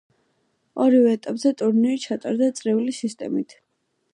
ორივე ეტაპზე ტურნირი ჩატარდა წრიული სისტემით.